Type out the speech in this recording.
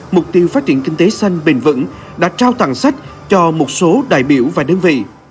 mục tiêu phát triển kinh tế xanh bền vững đã trao tặng sách cho một số đại biểu và đơn vị